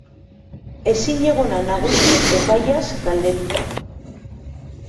Ezinegona nagusi epaiaz galdetuta.